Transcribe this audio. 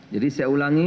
jadi saya ulangi